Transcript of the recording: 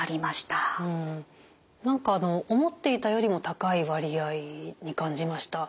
何か思っていたよりも高い割合に感じました。